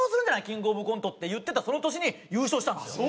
キングオブコント」って言ってたその年に優勝したんですよ。